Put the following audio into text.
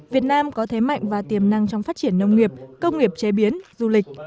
việt nam có thế mạnh và tiềm năng trong phát triển nông nghiệp công nghiệp chế biến du lịch